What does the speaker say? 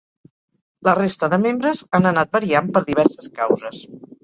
La resta de membres han anat variant per diverses causes.